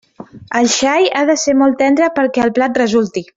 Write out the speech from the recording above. El xai ha de ser molt tendre perquè el plat resulti.